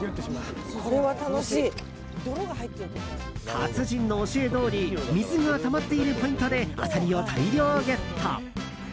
達人の教えどおり水がたまっているポイントでアサリを大量ゲット。